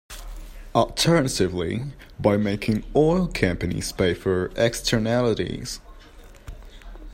Alternatively, by making oil companies pay for externalities.